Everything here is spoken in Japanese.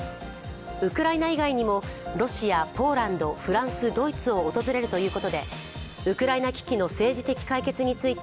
ウクライナ以外にも、ロシア、ポーランド、フランス、ドイツを訪れるということで、ウクライナ危機の政治的解決について